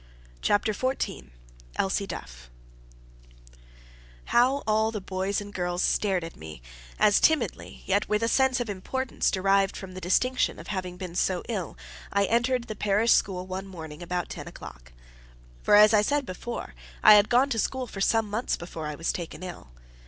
CHAPTER XIV Elsie Duff How all the boys and girls stared at me, as timidly, yet with a sense of importance derived from the distinction of having been so ill, I entered the parish school one morning, about ten o'clock! For as I said before, I had gone to school for some months before I was taken ill.